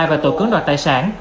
và tội cướng đoạt tài sản